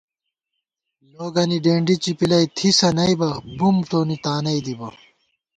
لوگَنی ڈېنڈی چِپِلَئ تھِسہ نئیبہ بُم تونی تانئ دِبہ